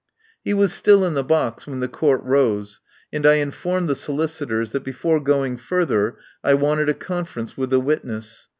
He was still in the box when the Court rose, and I informed the solicitors that before going further I wanted a conference with the witness.